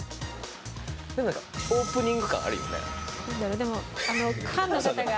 でもオープニング感あるよね。